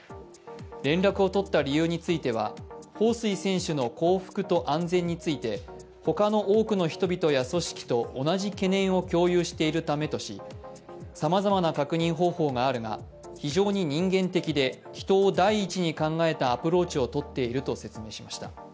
連絡をとった理由については、彭帥選手の幸福と安全について他の多くの人々や組織と同じ懸念を共有しているためとしさまざまな確認方法があるが非常に人間的で人を第一に考えたアプローチをとっていると説明しました。